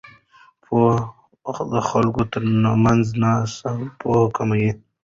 پوهه د خلکو ترمنځ ناسم پوهاوی کموي.